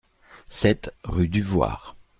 sept rue Duvoir